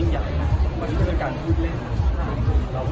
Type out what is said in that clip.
ในป่อนของปีที่แล้ว